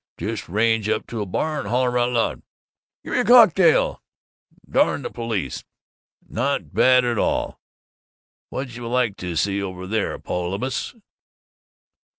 Just range up to a bar and holler out loud, 'Gimme a cocktail, and darn the police!' Not bad at all. What juh like to see, over there, Paulibus?"